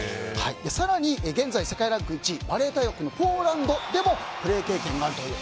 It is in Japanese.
更に、現在世界ランク１位バレー大国のポーランドでもプレー経験があるという。